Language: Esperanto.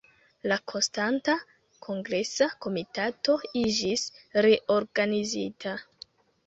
La Konstanta Kongresa Komitato iĝis reorganizita.